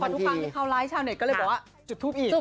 ทุกครั้งที่เขาไลฟ์ชาวเน็ตก็เลยบอกว่าจุดทูปอีก